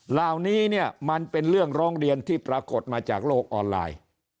เหล่านี้เนี่ยมันเป็นเรื่องร้องเรียนที่ปรากฏมาจากโลกออนไลน์